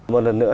một lần nữa